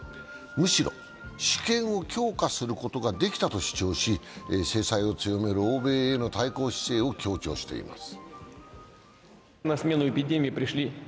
むしろ主権を強化することができたと主張し制裁を強める欧米への対抗姿勢を強調しています。